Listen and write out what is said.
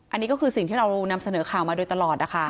อันนี้ก็คือสิ่งที่เรานำเสนอข่าวมาโดยตลอดนะคะ